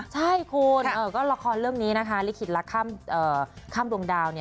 ใช่คุณก็ละครเรื่องนี้นะคะลิขิตรักข้ามดวงดาว